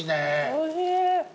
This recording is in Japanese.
おいしい。